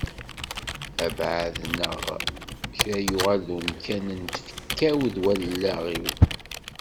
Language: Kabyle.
Abɛaḍ neɣ kra yuɣal deg umkan n tfekka-w d wallaɣ-iw.